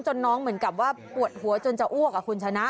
น้องเหมือนกับว่าปวดหัวจนจะอ้วกคุณชนะ